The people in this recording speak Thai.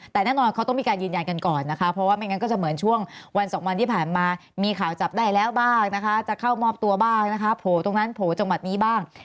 แต่แน่นอนเขาต้องมีการยืนยันกันก่อนนะคะเพราะว่าไม่งั้นก็จะเหมือนช่วงวันสองวันที่ผ่านมามีข่าวจับได้แล้วบ้างนะคะจะเข้ามอบตัวบ้างนะคะโผล่ตรงนั้นโผล่จังหวัดนี้บ้าง